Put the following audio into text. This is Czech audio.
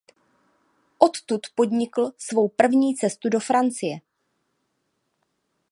Odtud podnikl svou první cestu do Francie.